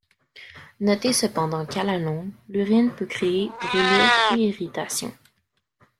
Notez cependant qu'à la longue l'urine peut créer brûlures et irritations.